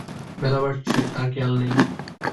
বেলা বাড়ছে, তাঁর খেয়াল নেই।